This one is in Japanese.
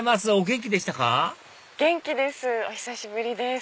元気ですお久しぶりです。